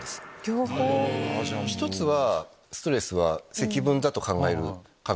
１つは。